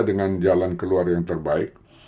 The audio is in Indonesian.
dengan jalan keluar yang terbaik